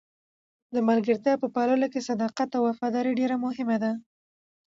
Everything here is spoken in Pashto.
د ملګرتیا په پاللو کې صداقت او وفاداري ډېره مهمه ده.